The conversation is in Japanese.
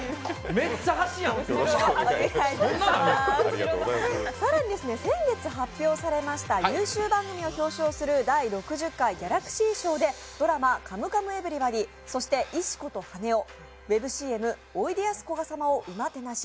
そして先月発表されました優秀番組を表彰するギャラクシー賞でドラマ、「カムカムエヴリバディ」そして「石子と羽男」、ウェブＣＭ「おいでやすこが様をうまてなし」